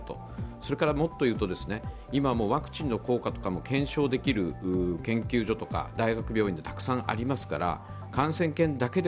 それからもっと言うと、今ワクチンの効果も検証できる研究所、大学病院もたくさんありますから、感染研だけで